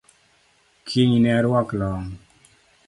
Kiny ne aruak long’